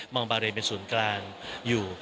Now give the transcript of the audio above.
องบาเรนเป็นศูนย์กลางอยู่